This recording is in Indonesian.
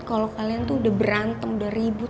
kalau kalian tuh udah berantem udah ribut